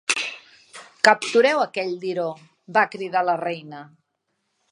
"Captureu aquell Liró", va cridar la reina.